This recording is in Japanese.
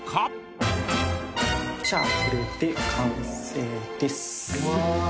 じゃあこれで完成です。